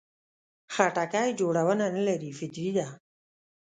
خټکی جوړونه نه لري، فطري ده.